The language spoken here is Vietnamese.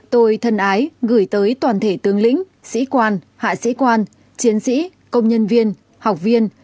tôi thân ái gửi tới toàn thể tướng lĩnh sĩ quan hạ sĩ quan chiến sĩ công nhân viên học viên